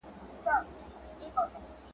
را یادېږي دي خواږه خواږه قولونه `